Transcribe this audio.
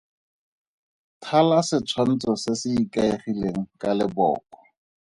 Thala setshwantsho se se ikaegileng ka leboko.